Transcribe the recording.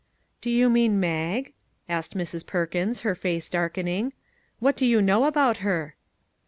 " Do you mean Mag? " asked Mrs. Perkins, her face darkening. " What do you know about her?